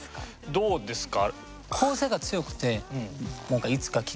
どうですか？